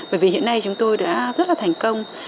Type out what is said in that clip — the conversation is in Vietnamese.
bởi vì hiện nay chúng tôi đã rất là thành công